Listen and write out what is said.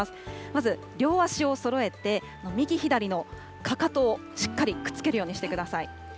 まず両足をそろえて、右左のかかとをしっかりくっつけるようにしてください。